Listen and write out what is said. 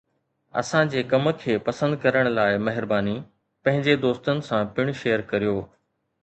اسان جي ڪم کي پسند ڪرڻ لاء مهرباني! پنهنجي دوستن سان پڻ شيئر ڪريو.